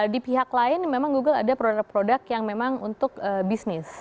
di pihak lain memang google ada produk produk yang memang untuk bisnis